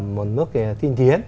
một nước tiên tiến